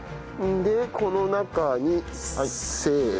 でこの中にせーの。